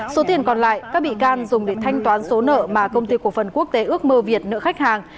số tiền còn lại các bị can dùng để thanh toán số nợ mà công ty cổ phần quốc tế ước mơ việt nợ khách hàng